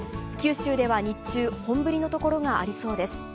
九州では日中本降りのところがありそうです。